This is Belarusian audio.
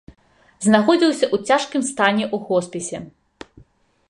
Знаходзіўся ў цяжкім стане ў хоспісе.